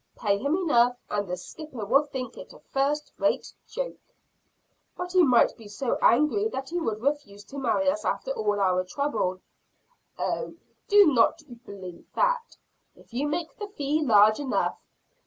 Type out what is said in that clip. Pay him enough and the skipper will think it a first rate joke." "But he might be so angry that he would refuse to marry us after all our trouble." "Oh, do not you believe that if you make the fee large enough.